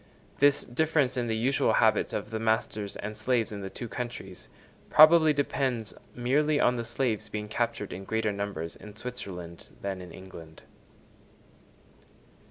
This difference in the usual habits of the masters and slaves in the two countries, probably depends merely on the slaves being captured in greater numbers in Switzerland than in England.